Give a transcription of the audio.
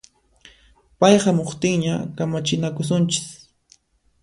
Pay hamuqtinña kamachinakusunchis